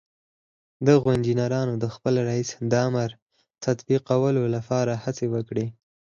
دغو انجنيرانو د خپل رئيس د امر تطبيقولو لپاره هڅې وکړې.